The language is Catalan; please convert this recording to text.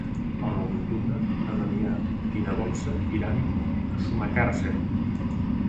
El nou d'octubre na Damià i na Dolça iran a Sumacàrcer.